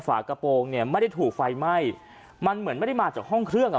ฝากระโปรงเนี่ยไม่ได้ถูกไฟไหม้มันเหมือนไม่ได้มาจากห้องเครื่องอ่ะ